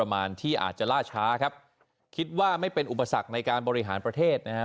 มีสักในการบริหารประเทศนะครับ